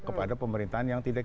kepada pemerintahan yang tersebut